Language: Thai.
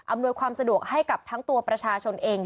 ความสะดวกให้กับทั้งตัวประชาชนเอง